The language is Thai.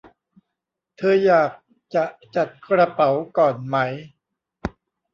เธออยากจะจัดกระเป๋าก่อนไหม